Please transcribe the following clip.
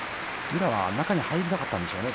宇良は中に入りたかったですね。